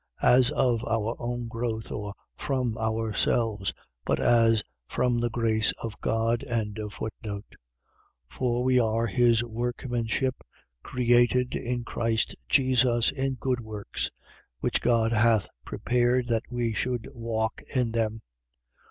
. .as of our own growth, or from ourselves; but as from the grace of God. 2:10. For we are his workmanship, created in Christ Jesus in good works, which God hath prepared that we should walk in them.